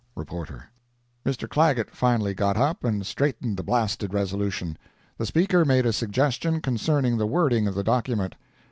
—REPORTER.] Mr. Clagett finally got up and straightened the blasted resolution. The Speaker made a suggestion concerning the wording of the document.